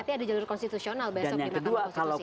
tapi ada jalur konstitusional besok dan yang kedua kalau